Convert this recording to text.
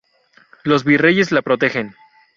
Los virreyes la protegen.